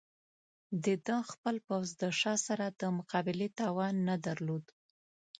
د ده خپل پوځ د شاه سره د مقابلې توان نه درلود.